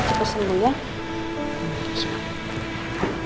yaudah aku pulang dulu sama mirna ya